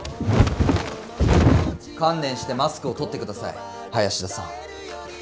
観念してマスクを取って下さい林田さん。